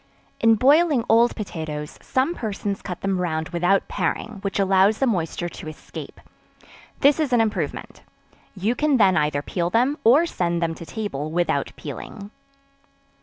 In boiling old potatoes, some persons cut them round without paring, which allows the moisture to escape; this is an improvement: you can then either peel them or send them to table without peeling.